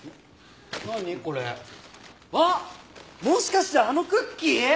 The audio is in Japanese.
もしかしてあのクッキー！？